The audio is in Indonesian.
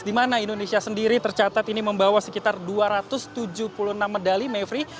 di mana indonesia sendiri tercatat ini membawa sekitar dua ratus tujuh puluh enam medali mevri